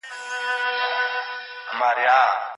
زه به تل ستا غږ ته انتظار کوم.